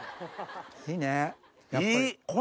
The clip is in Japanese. いいねやっぱり。